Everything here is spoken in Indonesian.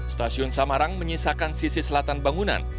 stasiun samarang menyisakan sisi selatan bangunan